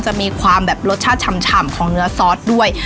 จะมีความแบบรสชาติฉ่ำของเนื้อซอสด้วย